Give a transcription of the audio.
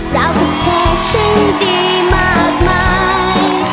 รักเธอฉันดีมากมาย